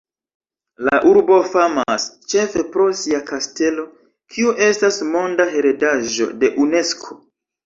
La urbo famas ĉefe pro sia kastelo, kiu estas monda heredaĵo de Unesko.